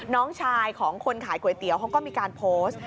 น้องชายของคนขายก๋วยเตี๋ยวเขาก็มีการโพสต์